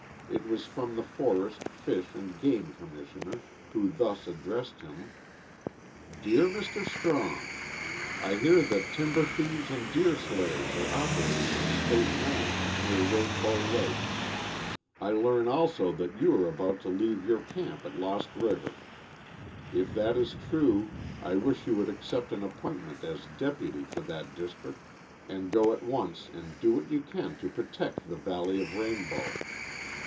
It was from the forest, fish, and game commissioner, who thus addressed him: _"Dear Mr. Strong, I hear that timber thieves and deer slayers are operating on State land near Rainbow Lake. I learn also that you are about to leave your camp at Lost River. If that is true I wish you would accept an appointment as deputy for that district and go at once and do what you can to protect the valley of Rainbow.